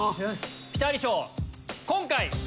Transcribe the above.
今回。